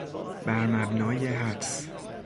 برمبنای حدس